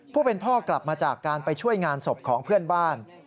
ผู้เป็นพ่อกลับมาจากการไปช่วยงานศพของเพื่อนบ้าน